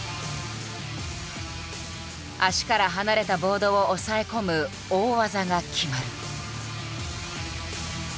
足から離れたボードを押さえ込む大技が決まる。